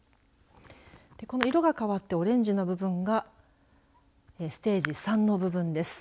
この色が変わってオレンジの部分がステージ３の部分です。